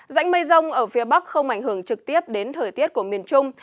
dãnh mây rông ở phía bắc không ảnh hưởng trực tiếp đến thời tiết của miền trung